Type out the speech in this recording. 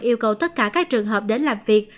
yêu cầu tất cả các trường hợp đến làm việc